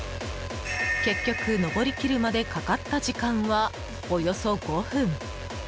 結局、上りきるまでかかった時間は、およそ５分。